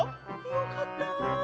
よかった。